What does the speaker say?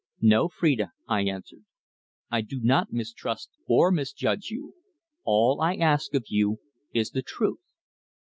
"No, Phrida," I answered. "I do not mistrust or misjudge you. All I ask of you is the truth.